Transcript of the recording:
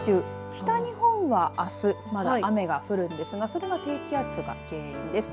北日本はあすまだ雨が降るんですがそれは低気圧が原因です。